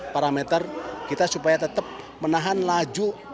parameter kita supaya tetap menahan laju